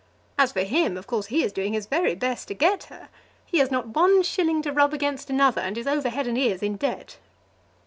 As for him, of course he is doing his very best to get her. He has not one shilling to rub against another, and is over head and ears in debt."